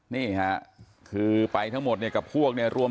นี่ค่ะคือไปทั้งหมดกับพวกรวม๑๓คนนะครับ